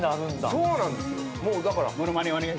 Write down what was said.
そうなんですよ。